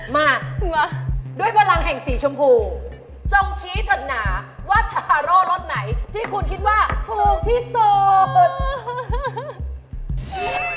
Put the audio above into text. มาด้วยพลังแห่งสีชมพูจงชี้เถิดหนาว่าทาโร่รสไหนที่คุณคิดว่าถูกที่สุด